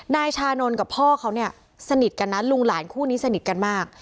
นายชานนท์กับพ่อเขาเนี่ยสนิทกันนะลุงหลานคู่นี้สนิทกันมาก